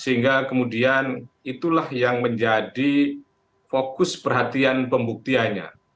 sehingga kemudian itulah yang menjadi fokus perhatian pembuktianya